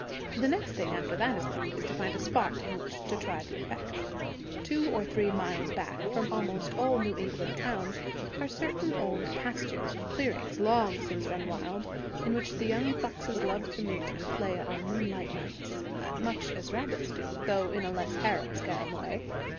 The next thing, after that is learned, is to find a spot in which to try the effect. Two or three miles back from almost all New England towns are certain old pastures and clearings, long since run wild, in which the young foxes love to meet and play on moonlight nights, much as rabbits do, though in a less harum scarum way.